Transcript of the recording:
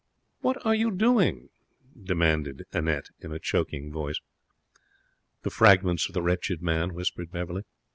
'What are you doing?' demanded Annette, in a choking voice. 'The fragments of the wretched man,' whispered Beverley.